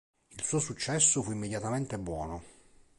Il suo successo fu immediatamente buono.